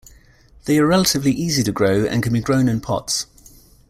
They are relatively easy to grow, and can be grown in pots.